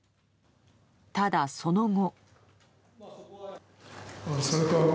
ただ、その後。